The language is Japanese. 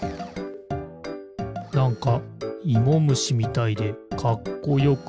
なんかイモムシみたいでかっこよくない。